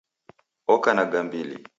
Oko na gambili